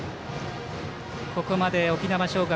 ここまで沖縄尚学